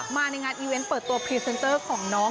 มาในงานอีเวนต์เปิดตัวพรีเซนเตอร์ของน้อง